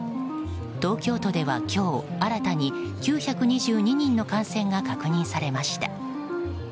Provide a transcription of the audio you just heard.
東京都では今日新たに９２２人の感染が確認されました。